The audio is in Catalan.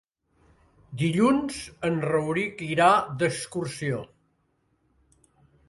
Dilluns en Rauric irà d'excursió.